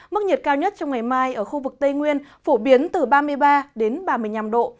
mức nhiệt cao nhất trong ngày mai ở khu vực tây nguyên phổ biến từ ba mươi ba đến ba mươi năm độ